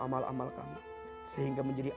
amal amal kami sehingga menjadi